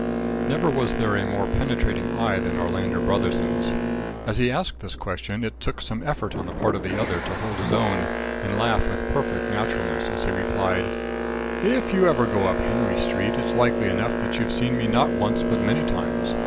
Never was there a more penetrating eye than Orlando Brotherson's. As he asked this question it took some effort on the part of the other to hold his own and laugh with perfect naturalness as he replied: "If you ever go up Henry Street it's likely enough that you've seen me not once, but many times.